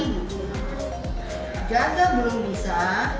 ganda belum bisa